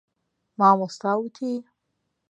مامۆستا وتی.